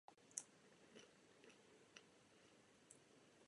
Město je významným hospodářským centrem západní Thrákie.